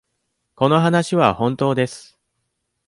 この話は本当です。